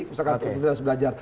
misalkan kita sudah belajar